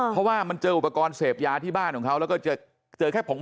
เพราะว่ามันเจออุปกรณ์เสพยาที่บ้านของเขาแล้วก็จะเจอแค่ผง